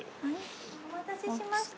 お待たせしました。